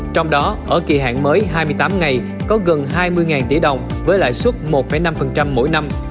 trong đó ở kỳ hạn mới hai mươi tám ngày có gần hai mươi tỷ đồng với lãi suất một năm mỗi năm